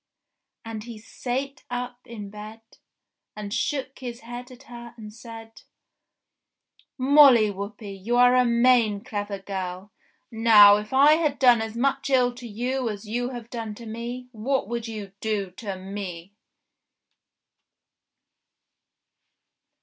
And he sate up in bed, and shook his head at her and said, "Molly MOLLY WHUPPIE AND THE GIANT 343 Whuppie, you are a main clever girl ! Now, if I had done as much ill to you as you have done to me, what would you do to me